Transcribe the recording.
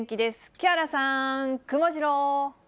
木原さん、くもジロー。